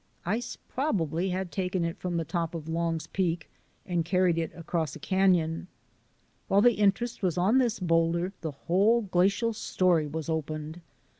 Ice probably had taken it from the top CHILDREN OF MY TRAIL SCHOOL 167 of Long's Peak and carried it across a canon. While the interest was on this boulder the whole glacial story was opened.